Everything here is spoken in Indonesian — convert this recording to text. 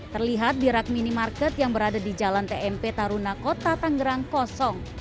terlihat di rak minimarket yang berada di jalan tmp taruna kota tanggerang kosong